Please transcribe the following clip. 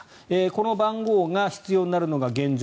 この番号が必要になるのが現状